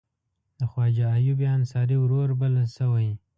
د خواجه ایوب انصاري ورور بلل شوی.